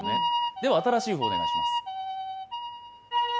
では、新しい方をお願いします。